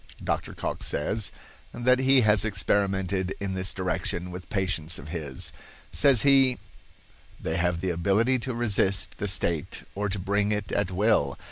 Dr. Cocke says that he has experimented in this direction with patients of his. Says he: "They have the ability to resist the state or to bring it at will.